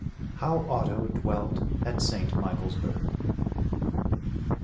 V. How Otto Dwelt at St. Michaelsburg.